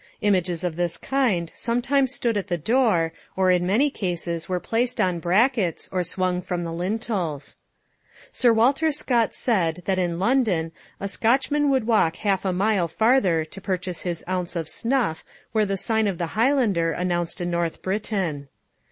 Images of this kind sometimes stood at the door, or in many cases were placed on brackets or swung from the lintels. Sir Walter Scott said that in London a Scotchman would walk half a mile farther to purchase his ounce of snuff where the sign of the Highlander announced a North Briton.